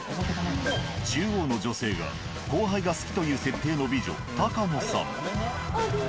中央の女性が後輩が好きという設定の美女野さん。